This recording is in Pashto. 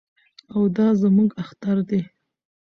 او دا زموږ اختر دی.